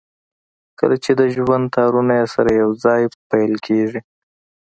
کله چې د ژوند تارونه يې سره يو ځای پييل کېږي.